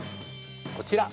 こちら